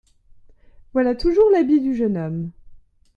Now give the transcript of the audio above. Voilà toujours l’habit du jeune homme…